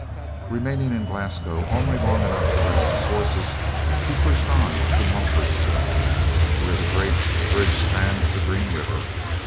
Remaining in Glasgow only long enough to rest his horses, he pushed on for Mumfordsville, where the great bridge spans the Green River.